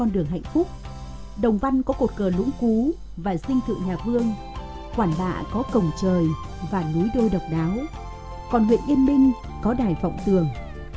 tây văn có cột cờ lũng cú và sinh thự nhà vương quản bạ có cổng trời và núi đôi độc đáo còn huyện yên minh có đài phọng tường